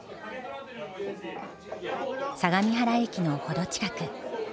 相模原駅の程近く。